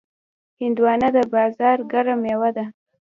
هندوانه د بازار ګرم میوه ده.